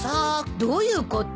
どういうこと？